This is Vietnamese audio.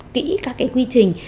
kỹ các cái quy trình